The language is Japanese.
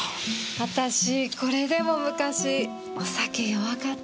私これでも昔お酒弱かったんです。